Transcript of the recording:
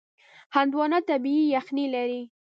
هندوانه طبیعي یخنۍ لري.